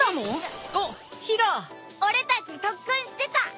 俺たち特訓してた。